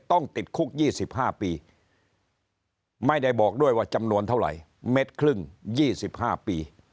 ต้องติดคุก๒๕ปีไม่ได้บอกด้วยว่าจำนวนเท่าไหร่เม็ดครึ่ง๒๕ปี